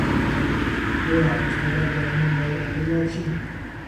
ايا مستبد واکمن بايد اتل ياد شي؟